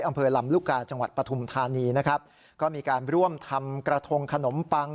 อำเภอลำลูกกาจังหวัดปฐุมธานีนะครับก็มีการร่วมทำกระทงขนมปัง